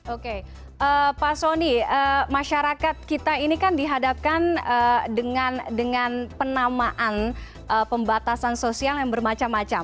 oke pak soni masyarakat kita ini kan dihadapkan dengan penamaan pembatasan sosial yang bermacam macam